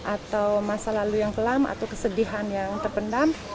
atau masa lalu yang kelam atau kesedihan yang terpendam